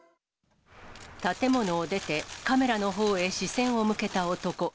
建物を出てカメラのほうへ視線を向けた男。